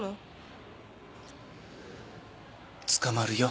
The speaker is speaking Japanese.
捕まるよ。